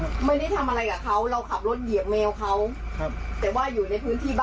เราขับรถเหยียบแมวเขา